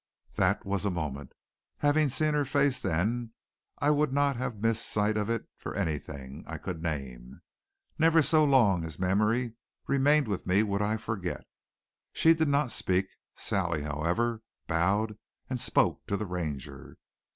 That was a moment! Having seen her face then I would not have missed sight of it for anything I could name; never so long as memory remained with me would I forget. She did not speak. Sally, however, bowed and spoke to the Ranger.